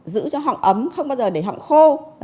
giữ cho họng ấm không bao giờ để họng khô